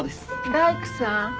大工さん？